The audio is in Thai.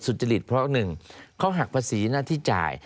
สุจริตเพราะหนึ่งเขาหักภาษีหน้าที่จ่าย